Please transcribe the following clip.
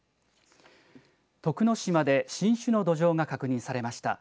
徳之島で新種のドジョウが確認されました。